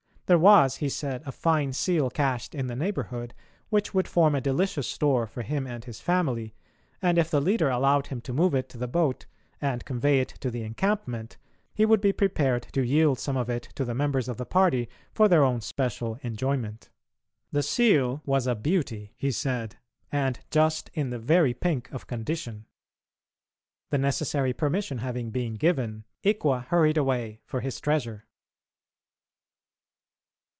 There was, he said, a fine seal cached in the neighbourhood, which would form a delicious store for him and his family, and if the leader allowed him to move it to the boat, and convey it to the encampment, he would be prepared to yield some of it to the members of the party for their own special enjoyment. The seal was a beauty, he said, and just in the very pink of condition. The necessary permission having been given, Ikwa hurried away for his treasure.